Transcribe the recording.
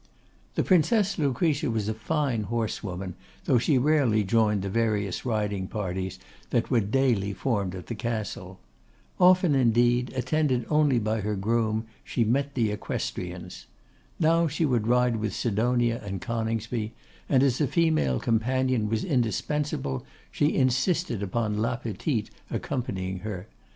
The Princess Lucretia was a fine horse woman, though she rarely joined the various riding parties that were daily formed at the Castle. Often, indeed, attended only by her groom, she met the equestrians. Now she would ride with Sidonia and Coningsby, and as a female companion was indispensable, she insisted upon La Petite accompanying her.